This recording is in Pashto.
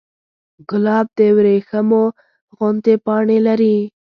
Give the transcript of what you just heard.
ګلاب د وریښمو غوندې پاڼې لري.